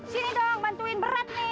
sini tolong bantuin berat nih